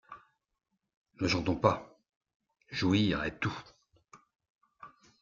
Ne chantons pas: — Jouir est tout.